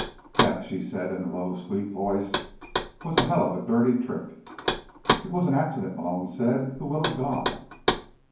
"That," she said in a low, sweet voice, "was a hell of a dirty trick." "It was an accident," Malone said. "The Will of God."